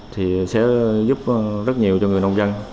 thì sẽ giúp rất nhiều cho người nông dân